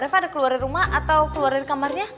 rafa ada keluar dari rumah atau keluar dari kamarnya